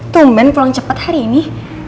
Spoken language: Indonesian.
tungguan pulang cepat hari ini